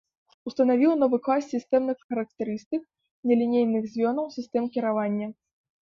Устанавіў новы клас сістэмных характарыстык нелінейных звёнаў сістэм кіравання.